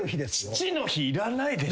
父の日いらないでしょ。